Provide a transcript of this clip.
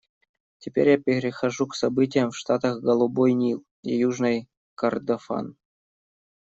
Теперь я перехожу к событиям в штатах Голубой Нил и Южный Кордофан.